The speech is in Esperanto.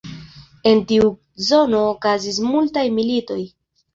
En tiu zono okazis multaj militoj.